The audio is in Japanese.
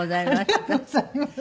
ありがとうございます。